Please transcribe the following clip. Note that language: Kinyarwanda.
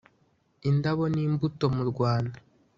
indabo n’imbuto mu Rwanda